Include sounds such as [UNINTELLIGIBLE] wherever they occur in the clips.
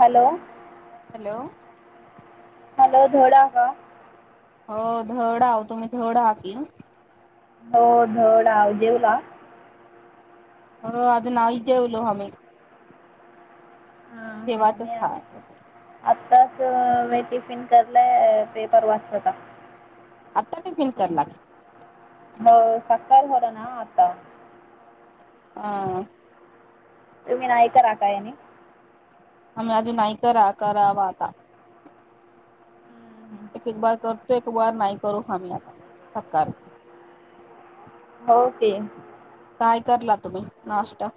Hello. Hello. Hello धोडा का? हो, धड हाव, तुमी धड आहात ना? [INAUDIBLE] हो, अजून नाई जेवलो हमी. [UNINTELLIGIBLE] मी जेवायचंच हाय. आत- आत्ताच [UNINTELLIGIBLE] करलंय पेपर वाचत होता. आता टिफिन करणारं. हो, सक्काळं झालं ना आतां. हां. तुमी नाय करा काय आणि आमी अजून नाय करा करावा आता. एक एक बार करतो, एक बार नाही करू हमी आता सकाळी. [UNINTELLIGIBLE] काय करला तुम्ही नाश्ता?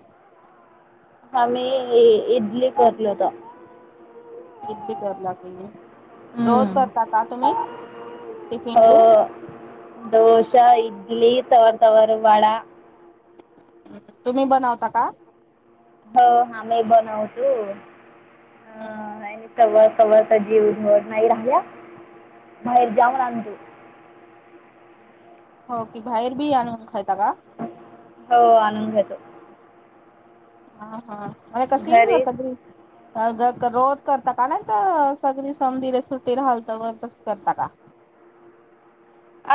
हामी इडली करलोतं. [UNINTELLIGIBLE] रोज हम्म. करता का तुम्ही? हो टिफिनलू डोशा, इडली [UNINTELLIGIBLE] वडा. तुमी बनवता का? हो हामी बनवतो. [UNINTELLIGIBLE] [UNINTELLIGIBLE] जीव होऊन नाही राहिल्या, बाहेर जाऊन आणतो. हो, की बाहेर बी आणून खाता का? हो, आणून घेतो. हा हा. घरी [UNINTELLIGIBLE] रोज करता का नाही तो, सगळी समधिरे सुट्टी [UNINTELLIGIBLE] तसं रोज करता का?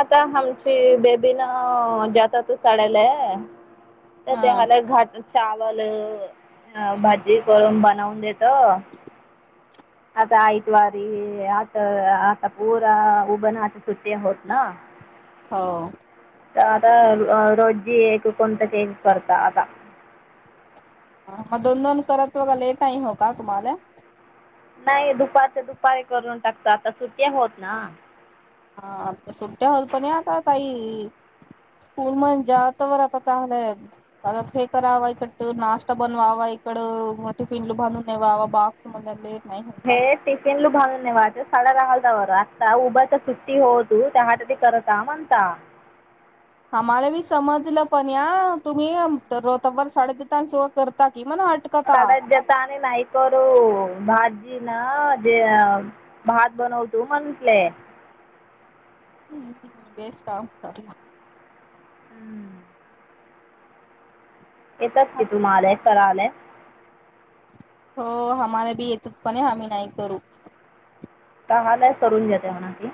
आता हामचे बेबी ना दाताचं कळालं. तर हा त्या [UNINTELLIGIBLE] घाट चावलं भाजी करून बनवून देतं. आता आऐतवारी. आता, आता पोरा ओपन हाऊस ची सुट्टी आहोत ना. [INAUDIBLE] हो आता रोजी कोणता केक करता आता? ह मग दोन दोन करतं तुम्हाले, टाईम होता का तुमाले? नाई दुपारच्या दुपारी करून टाकता. आता सुट्टी होत ना. हा. आता सुट्ट्या होईल, पण आता ताई हो मग. जेवायचं परत पाहणंय. [UNINTELLIGIBLE] नाश्ता बनवावा इकडं, मग टिफिन भरून दे बाबा असं म्हणाले हो. [UNINTELLIGIBLE] म्हणता. आम्हाला मी समजलं पण या तुम्ही [UNINTELLIGIBLE] तब्बल साडेतीन तांसवा करता की म हट [UNINTELLIGIBLE] प जता [UNINTELLIGIBLE] नाही कररू भाजी ना भात बनवतो म्हंटले. हम्म [UNINTELLIGIBLE] हम्म. [INAUDIBLE] येतात की तुम्हाले कराले? हो आम्हाला बी येतत. पणे आम्ही नाही करू. चहालाय करून घेता म्हणा की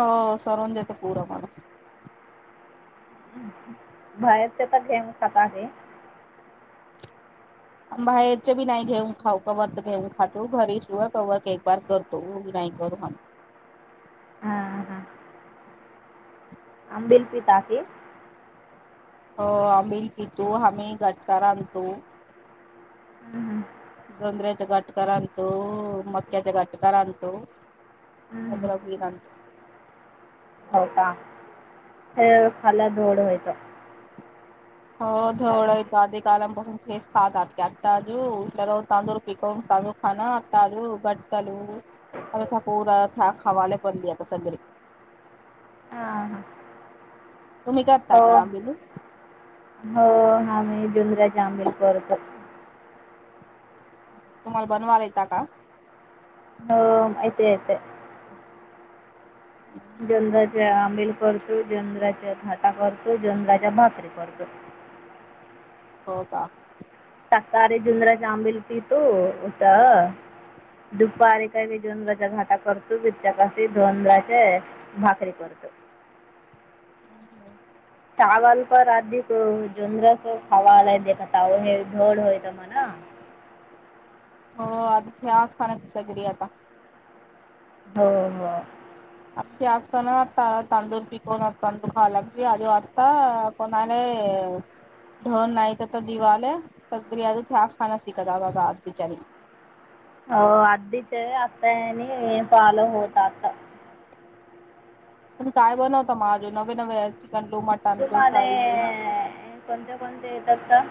हो. करून देता पोरं बाळं. बाहेरच्या तर [UNINTELLIGIBLE] आहे. आम् बाहेरच बी नाही घेऊन खाऊ कव तर घेऊन खातो घरीशिवाय रवा केक [UNINTELLIGIBLE] वार करतो नाही करू हम. हम्म हम [INAUDIBLE] अंबिल पित आहे. हो आंबील पितो, आम्ही घटका आणतो. हम्म, डोंगराच्या गा घटका आणतो, मटक्याचं घटका आणतो. हम्म, हम्म. [UNINTELLIGIBLE] हो का. [INAUDIBLE] तो खाला दोड व्हायचा. हो. ढवळायच्या आधी [UNINTELLIGIBLE] चालू आथ प खावाला पडली आता सगळे हा हा. [INAUDIBLE] तुम्ही करता का आमिले? हो आम्ही जुनऱ्याचे आंबल करतो. तुम्हाला बनवाला येता का? हो. येत येत. हम् झुंजऱ्याचे आमिल करतो. झुंबर याचे घाटा करतो. झुंबऱ्याचे भाकरी करतो. हो का? [UNINTELLIGIBLE] दुपारी काही [UNINTELLIGIBLE] भाकरी करतो. हम् हम् [INAUDIBLE] चावल प अध जोरस खावालायख हे धोड होयत म्हणा हो आता ह्या स्थानाची सगरी आता. हो हो. अ जास्तना आता तांडूर पीिकवन तंडू खावा लागते अध वाता पुना नाई ढन नाहीत तर दिवाले, सग्री आता ह खान्यात शिकत आज बिचारी. हो, अधीच आता आणि हे फलो होत आता. पण काय बनवत मा आजो नवे न रस्टिकं लो मटन लो तुमाले फ्राई लो कोणत्या कोणत्या येत असता?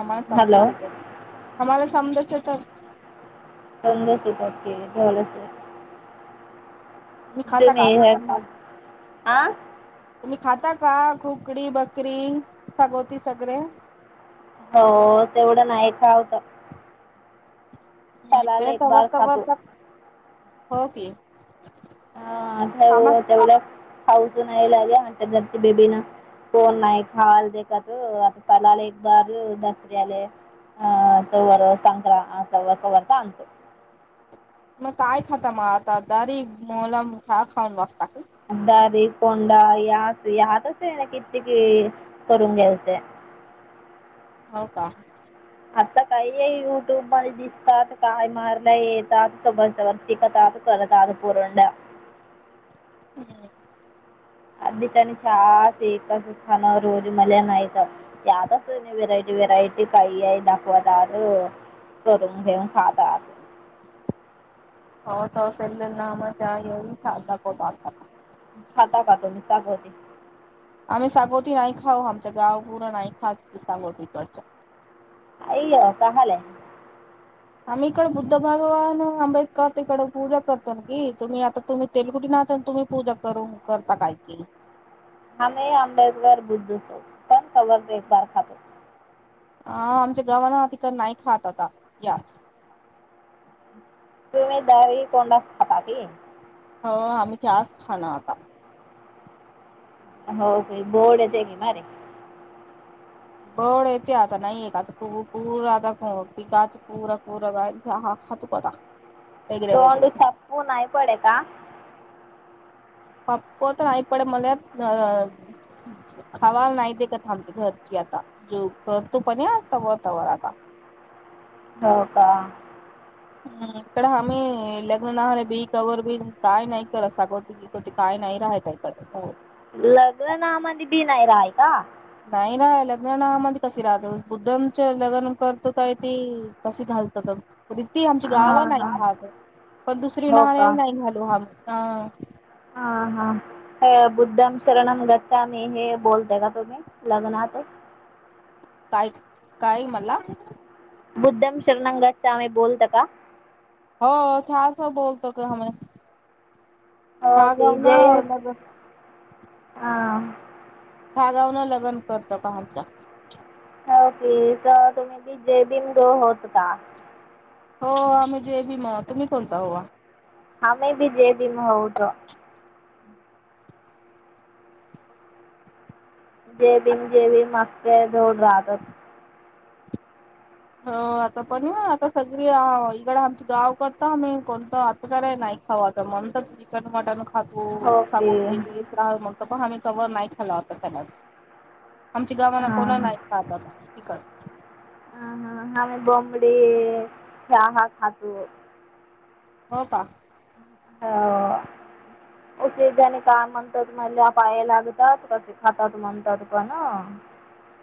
आम्हाला हॅलो समदच येतं, आम्हाला समदच येतं. ंद बा झालं असं तुम्ही खाता का हे चिकन खा आ तुम्ही खाता का,? खुकडी, बकरी, शागोती सगळेे. हो तेवढं नाही खा होतं, सालाला म्हणजे एक तवा बार तवा खातो. तर हो की. ह घ कामात तेवढ्या खाऊचू नाय लाग त्या घरची बेबी ना. कोण नाही खावाल ते का त, आता सालाला एक बार दसर्याले. अह तवर संक्रां अं कवा कवा तर आणतो. मग काय खाता मग आता, दारी मोला ख खाऊन बसता का? दारी कोंडा या या आतच आहे ना, कित्यकि करून घ्यायचंय. हो का. आता काही हे युट्यूब मध्ये त काय मारलंय त त त त तला त पूरंडा [INAUDIBLE] हम्म. आधी त्या आणि चहा रोज करून खानं मला रोज मल्या नाहीतं यातच वरायटी वरायटी काही आहे दाखवादार करून घेऊन खातात. हो तसल ना मझ सा लाकत [INAUDIBLE] खाता का तुम्ही सागोती? आम्ही सागोती नाही खाऊ, आमच गाव पुरं नाही खात सागोती कच अय अ काहाले. आम्ही इकड बुद्ध भगवान आंबेडकर तकड पूजा करतो की, तुम्ही आता तुम्ही तेलगुटी ना तुम्ही पूजा करून करता काही की. आम्ही आंबेडकर बुद्धतो पण कवर एकार खातो. हा आमच्या गावान तिक नाही खात आता या तुम्ही दवी कोंडा खाताते हो आम्ही त्याच खाणं आता हो काही बोर्ड येत की मारे गड येते आता नाहीय का आता भरपूर आता पिकाच पूरा पूरा बा जा खा तू कता [INAUDIBLE] तोंडू छप्पू नाही पडे का? पकपत नाहीईपडे मलात [INAUDIBLE] खवाल नाही दे का थांबच्या घरची आता, जो करतो पणता वतावर आता. हो का. हम्म, इकडं आम्ही लग्न राहले बी कवर बी काय नाही करत सागोटी. शेवटी काय नाही राहतायकडे. लग्नामध्ये बी नाही राहायला. नाही ना लग्नामध्ये कशी राहतो बुद्धमच लग्न करतो काय ते कशी घालत ती आमची गाव हां नाही हां ह पण दुसरी हो ना का नाही घालो हा मग. हा -हा बुद्धम शणम गच्छा मि हे बोलता का तुम्ही? लग्नात. काय- काय मला. बुद्धम् शरणम् गच्छामि बोलता का? हो [UNINTELLIGIBLE] बोलतो काम हा ओके गाव न लग. हा. [UNINTELLIGIBLE] लग्न करतो का आमचा हो क तर तुम्ही बी जय भीम बी ग होत का? हो आम्ही जय भीम मग तुम्ही कोणता होवा? आम्ही बी जय भीम आहोत. जय भीम -जय भीम अगख झोड राहतात. हो आता पण आता सगळी इकड आमचे गाव करता आम्ही कोणत इकडं नाही खावा तर मन तर चिकन मटन खातो ओके सागव ते म्हणत प आम्ही तवर नाही खालो आताच्याग आमची गावांना हां कोणा नाही खात आता चिकन. ह- ह हा बमडी चहा खातो. हो का? हो उलेधने काय म्हणतात म्हणल्या पाया लागतात क खातात म्हणतात पण [INAUDIBLE]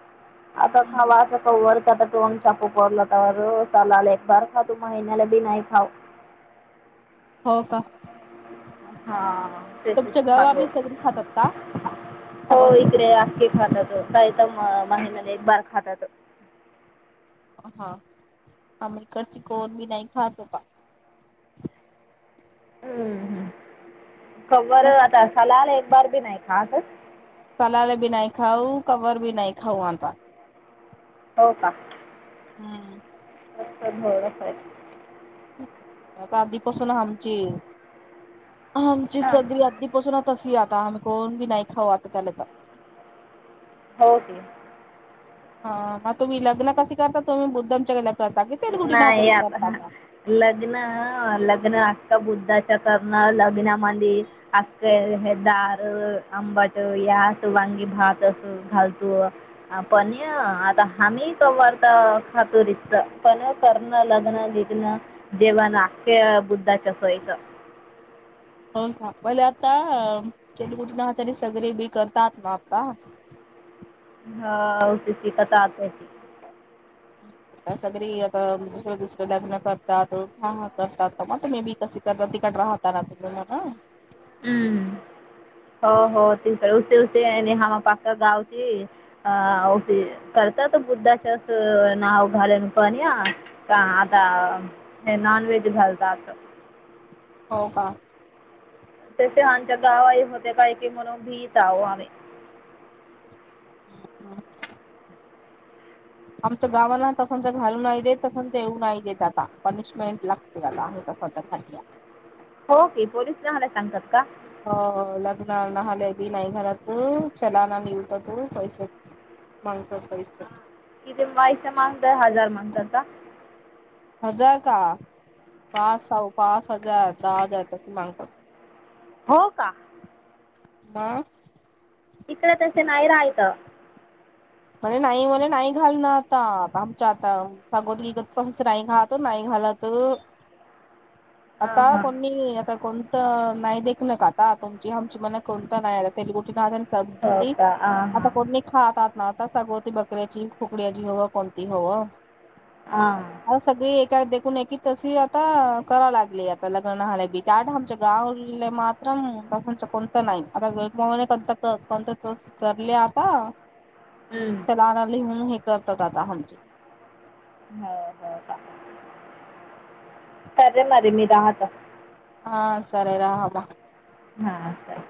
आता हम्म खावा. वरता टोन चाकू परला तर चाला आलं एक बर खा तू महिन्याला बी नाही खाऊ. हो का. हा. तुमच्या गावा बी [UNINTELLIGIBLE] सगळी खातात का हो सागवती इकडेे आखे खातात. काय तर महिन्याला एक बार खातात. हा आम्ही इकडची कोन बी नाही खातो पा. हम्म- हम्म. का बर मग आता सलाल एक बार बी नाही खातच? सलाद बी नाही खाऊ कबर बी नाही खाऊ अता. हो का. हम्म. [INAUDIBLE] आता आधीपासून आमची हामची सगळी अगदीपासून त अस आता आम्ही कोण बी नाही खाऊ वाटत आता त्यालत. हो की. हा मग तुम्ही लग्न कसे करता तुम्ही बुद्धमच्या गला करता कि ते कुठीन हजरी नाही करता आता का? लग्न- लग्न आता बुद्धाच्या करण लग्नामंधी अ दार आंबट यात वांगी भात अस घालतो पण आता ह्ही क वारता खातो र्त [UNINTELLIGIBLE] पण करणं लग्न बिग्न जेव्हा नाटक्य बुद्धाच्या सोयचं. हो का पले आता च कुटूनहातने सगळे बी करतात ना आता. हा कत आता [UNINTELLIGIBLE] अ सगळी आता विसकटल्यात [UNINTELLIGIBLE] हा हा [UNINTELLIGIBLE] तिथंच राह त्यांना तिकडून येना. हम्म हो हो तेकडे उस्ते उते नेहामा पाका गावची. अ ओके करतात बुद्धाच्याच नाव घालन पण या. का आता हे नॉन व्हेज घालतात. होव का? तेच ते आमच्या गावाही होते काय की म्हणून भीत आहो आम्ही. [INAUDIBLE] [UNINTELLIGIBLE] आमच्या गावाांना तसंच घालू नाही देत तसंच येऊ नाही देत आता पनिशमेंट ला झाला आहे का स्वतःसाठी. हो की पोलिस जायाला सांगतात का? हो लग्न न हल्या बी नाही झाला तू चलान मिळत तू पैसे माणसाच सरीसर. किती [UNINTELLIGIBLE] मांगताय हजार मांगतासा? हजार का. पास व पास‌ हजार, सहा‌ हजार मांगतात. हो का? आ? इकडे तस नाही राहित. म्हर नाही म्हले नाही घाल ना आता आमच्या आता. सगोती [UNINTELLIGIBLE] गत पच नाही घत नाही घालत. आता हां हां कोणी, आता कोण त नाही देखण का आता तुमची आमची मना कोणत नाही आता तेलगुटीच दहा हजार. हो सब्जी, का हां आता हां कोणी नाई खात म आता सगवती बकऱ्याची, खुकड्याची हवं कोणती हवं. हां. आता सगळी एका देखून एकी तशी आता कराव लागली आता लग्न हय बी. त्याढ आमच्या गावले मात्रच कोणत नाही [UNINTELLIGIBLE] आता वे को कोत करले आता चलान लिहून हे करतात आता आमचे. हो हो का. सरे मर मी राहात. हा सरे राहा बा. हा असं.